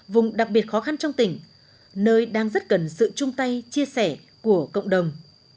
vùng đặc biệt khó khăn trong tỉnh nơi đang rất cần sự chung tay chia sẻ của cộng đồng